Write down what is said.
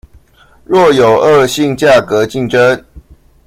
若有惡性價格競爭